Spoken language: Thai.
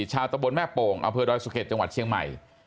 ชาวตบลแม่โป่งอัพพฤดอยศุเกษจังหวัดเฉี่ยงใหม่